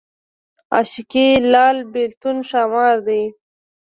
عاشقي لال بېلتون ښامار دی